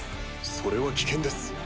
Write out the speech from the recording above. それは危険です。